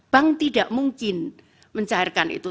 bank tidak mungkin mencairkan itu